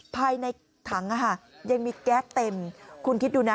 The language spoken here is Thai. ภายในถังยังมีแก๊สเต็มคุณคิดดูนะ